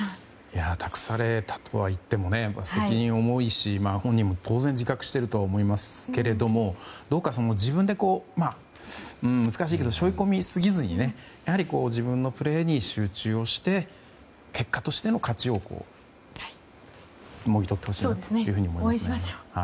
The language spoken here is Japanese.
託されたとはいってもね責任は重いし本人も当然自覚しているとは思いますけどどうか自分で、難しいけれど背負い込みすぎずに自分のプレーに集中して結果としての勝ちをもぎ取ってほしいと思います。